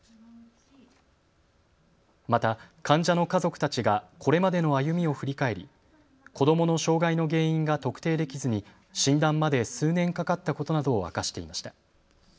また患者の家族たちがこれまでの歩みを振り返り子どもの障害の原因が特定できずに診断まで数年かかったことなどを明かしていました。